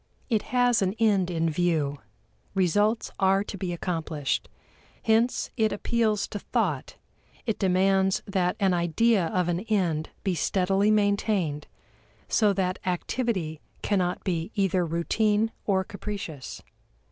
It has an end in view; results are to be accomplished. Hence it appeals to thought; it demands that an idea of an end be steadily maintained, so that activity cannot be either routine or capricious.